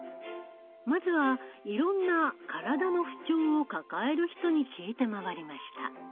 まずはいろんな体の不調を抱える人に聞いて回りました。